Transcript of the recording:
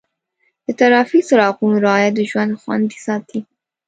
د ټرافیک څراغونو رعایت د ژوند خوندي ساتي.